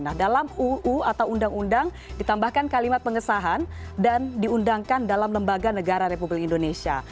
nah dalam uu atau undang undang ditambahkan kalimat pengesahan dan diundangkan dalam lembaga negara republik indonesia